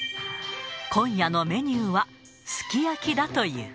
今夜のメニューは、すき焼きだという。